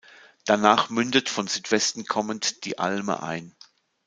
Danach mündet von Südwesten kommend die Alme ein.